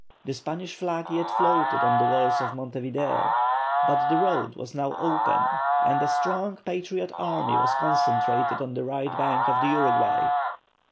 The Spanish flag yet floated on the walls of Monte Video, but the road was now open and a strong patriot army was concentrated on the right bank of the Uruguay.